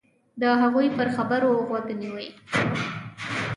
د هغوی پر خبرو غوږ نیوی.